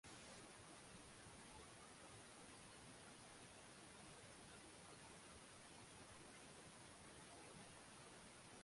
wa Kigangstaa ambao huwa anaudhihirsha kwenye muziki wake